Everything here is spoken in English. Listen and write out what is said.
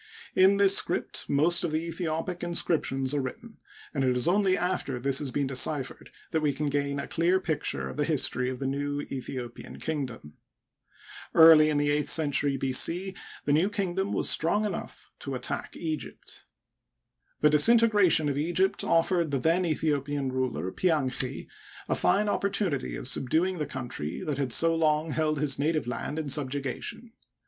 In this script most of the Aethiopic inscriptions are written, and it is only after this has been deciphered that we can give a clear picture of the history of the new Aethiopian kingdom. Early in the eighth century B. C. the new kingdom was strong enough to attack Egypt. II Digitized by Google 114 HISTORY OF EGYPT. The disintegration of Egypt offered the then Aethio pian ruler, Pianchi, a fine opportunity of subduing the • country that had so long held his native land in subjuga tion.